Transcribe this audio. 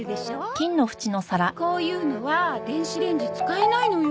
こういうのは電子レンジ使えないのよ。